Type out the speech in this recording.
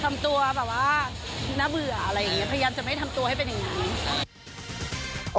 พยายามจะไม่ได้ทำตัวให้เป็นอย่างน้อย